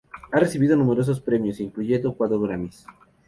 Ha recibido numerosos premios, incluyendo cuatro Grammys.